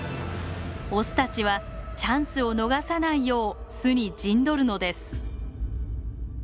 オスたちはチャンスを逃さないよう巣に陣取るのです。